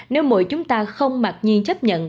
nếu mỗi chúng ta không mặc nhiên chấp nhận